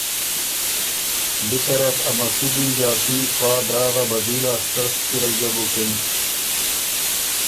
بی طرف ا مسُدی ݫاتی پا دراغه بدي لاسته ستِړئ ګۀ بُکِن